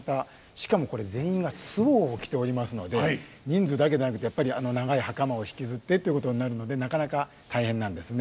しかもこれ全員が素袍を着ておりますので人数だけでなくてやっぱりあの長い袴を引きずってということになるのでなかなか大変なんですね。